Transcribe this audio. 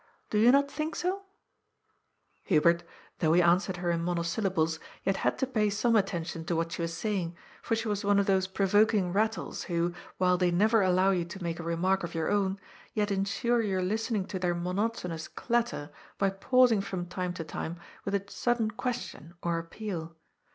Do you not think so ?" Hubert, though he answered her in monosylla'bles, yet had to pay some attention to what she was saying, for she was one of those provoking rattles, who, while they never allow you to make a remark of your own, yet insure your listening to their monotonous clatter by pausing from time to time with a sudden question or appeal.